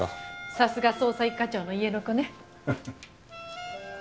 さすが捜査一課長の家の子ね。